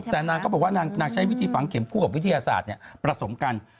แต่นางก็บอกว่านางใช้วิธีฝังเข็มผู้กับวิทยาศาสตร์เนี่ยประสงค์กัน